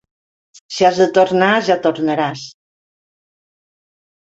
Si has de tornar, ja tornaràs.